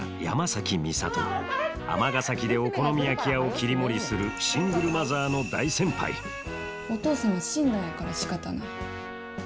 尼崎でお好み焼き屋を切り盛りするシングルマザーの大先輩お父さんは死んだんやからしかたない。